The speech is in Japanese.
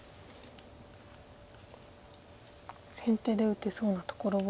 先手で打てそうなところを。